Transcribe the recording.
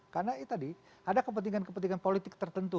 karena itu tadi ada kepentingan kepentingan politik tertentu